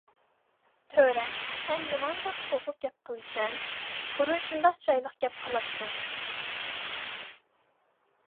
- تۆرەم، سەن نېمانداق سوغۇق گەپ قىلىسەن، بۇرۇن شۇنداق چىرايلىق گەپ قىلاتتىڭ.